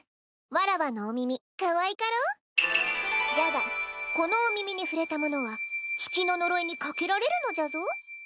わらわのお耳かわいかろう？じゃがこのお耳に触れた者は月の呪いにかけられるのじゃぞ。